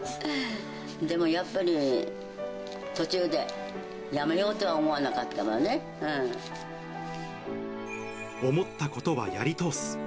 でもやっぱり、途中でやめようと思ったことはやり通す。